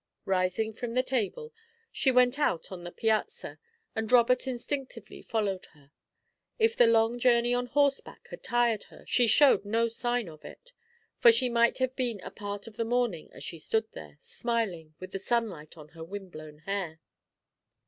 Rising from the table, she went out on the piazza, and Robert instinctively followed her. If the long journey on horseback had tired her, she showed no sign of it, for she might have been a part of the morning as she stood there, smiling, with the sunlight on her wind blown hair.